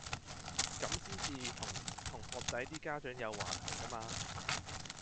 咁先至同同學仔啲家長有話題㗎嘛